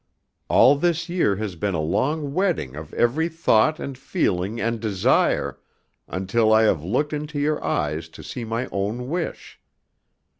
All this year has been a long wedding of every thought and feeling and desire, until I have looked into your eyes to see my own wish.